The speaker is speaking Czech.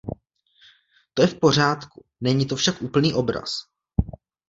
To je v pořádku, není to však úplný obraz.